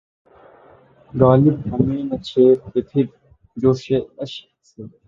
غالب ہمیں نہ چھیڑ کہ پھر جوشِ اشک سے